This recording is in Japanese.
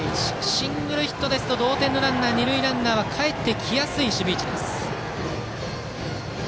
シングルヒットですと同点の二塁ランナーはかえってきやすい守備位置です。